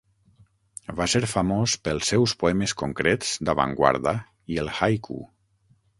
Va ser famós pels seus poemes concrets d'avantguarda i el "haiku".